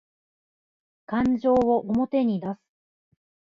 感情を表に出す